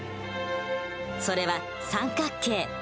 それは三角形。